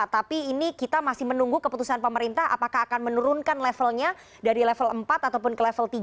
tapi ini kita masih menunggu keputusan pemerintah apakah akan menurunkan levelnya dari level empat ataupun ke level tiga